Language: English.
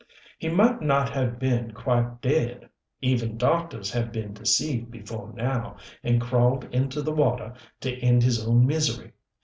"He might not have been quite dead. Even doctors have been deceived before now, and crawled into the water to end his own misery.